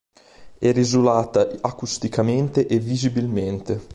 Era isolata acusticamente e visibilmente.